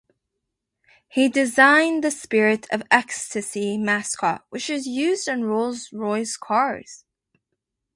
He designed the Spirit of Ecstasy mascot which is used on Rolls-Royce cars.